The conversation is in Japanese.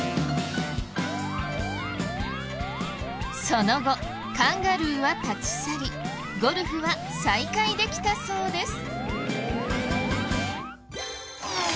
その後カンガルーは立ち去りゴルフは再開できたそうです。